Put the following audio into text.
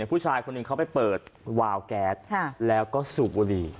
ผู้ชายคนหนึ่งเขาไปเปิดวาวแก๊สแล้วก็สูบบุหรี่